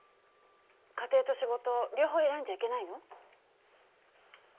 家庭と仕事両方選んじゃいけないの？